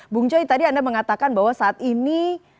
bung joy tadi anda mengatakan bahwa saat ini